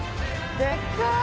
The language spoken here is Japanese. でっかい！